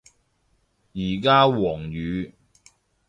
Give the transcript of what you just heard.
而家黃雨